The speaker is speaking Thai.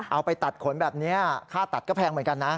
เอาไปตัดขนแบบนี้ค่าตัดก็แพงเหมือนกันนะ